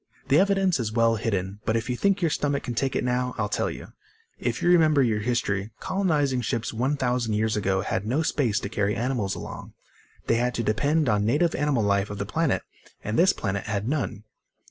"The evidence is well hidden. But if you think your stomach can take it now, I'll tell you. If you remember your history, colonizing ships 1000 years ago had no space to carry animals along. They had to depend on native animal life of the planet, and this planet had none."